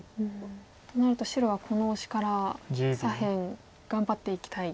となると白はこのオシから左辺頑張っていきたい。